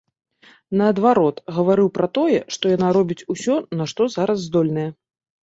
Наадварот, гаварыў пра тое, што яна робіць усё, на што зараз здольная.